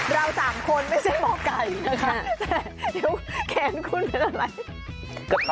เรา๓คนไม่ใช่หมอไก่แต่แขนคุณเป็นอะไร